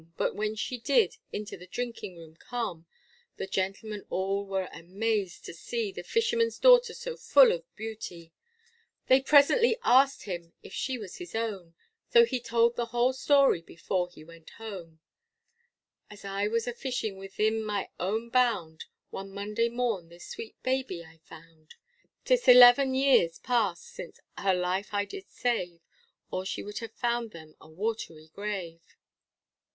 But when she did into the drinking room come, The gentlemen all were amazed to see The fisherman's daugter so full of beauty, They presently ask'd him if she was his own, So he told the whole story before he went home: As I was a fishing within my own bound, One Monday morn this sweet baby I found; 'Tis a eleven years past since her life I did save, Or she would have found then a watery grave.